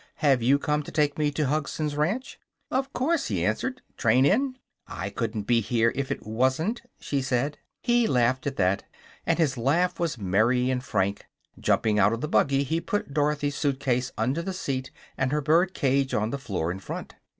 "Have you come to take me to Hugson's Ranch?" "Of course," he answered. "Train in?" "I couldn't be here if it wasn't," she said. He laughed at that, and his laugh was merry and frank. Jumping out of the buggy he put Dorothy's suit case under the seat and her bird cage on the floor in front.